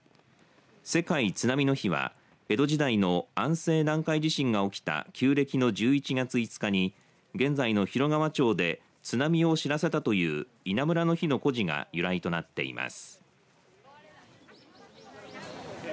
世界津波の日は江戸時代の安政南海地震が起きた旧暦の１１月５日に現在の広川町で津波を知らせたという稲むらの火の故事が由来となっています。